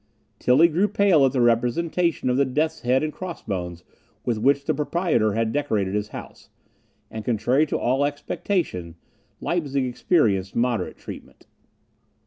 Tilly grew pale at the representation of the death's head and cross bones, with which the proprietor had decorated his house; and, contrary to all expectation, Leipzig experienced moderate treatment.